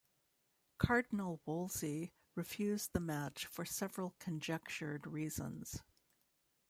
Cardinal Wolsey refused the match for several conjectured reasons.